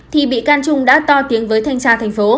thì bị can trung đã to tiếng với thanh tra